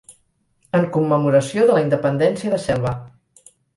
En commemoració de la independència de Selva.